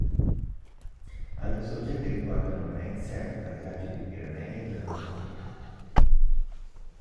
Altri soggetti riguardano Venezia e paesaggi dei Pirenei e della Normandia.